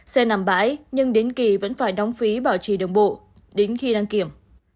xe nằm bãi nhưng đến kỳ vẫn phải đóng phí bảo trì đường bộ đến khi đăng kiểm